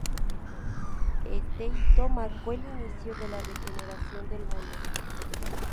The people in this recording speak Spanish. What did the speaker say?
Este hito marcó el inicio de la regeneración del mundo.